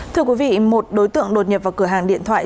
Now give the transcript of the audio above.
thưa quý vị một đối tượng đột nhập vào cửa hàng điện thoại